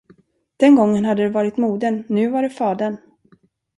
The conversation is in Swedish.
Den gången hade det varit modern, nu var det fadern.